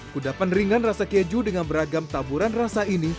kuda peneringan rasa keju dengan beragam taburan rasa ini